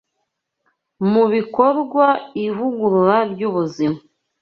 mu bikorwa ivugurura ry’ubuzima